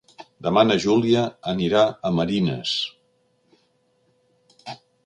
Demà na Júlia anirà a Marines.